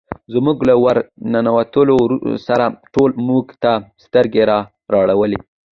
زموږ له ور ننوتلو سره ټولو موږ ته سترګې را واړولې.